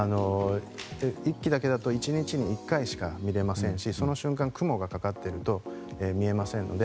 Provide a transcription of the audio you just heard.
１機だけど１日に１回しか見れませんしその瞬間、雲がかかっていると見えませんので。